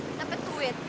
gak dapet duit